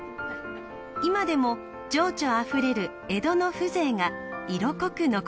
今でも情緒あふれる江戸の風情が色濃く残っています。